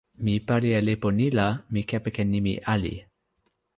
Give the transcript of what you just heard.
mi pali e lipu ni la, mi kepeken nimi "ali".